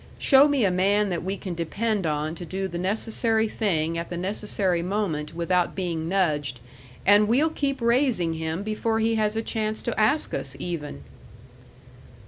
Show me a man that we can depend on to do the necessary thing at the necessary moment without being nudged, and we'll keep raising him before he has a chance to ask us, even."